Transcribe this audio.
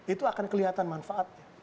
itu akan kelihatan manfaatnya